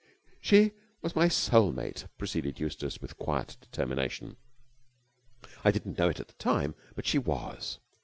"She was my soul mate," proceeded Eustace with quiet determination. "I didn't know it at the time, but she was.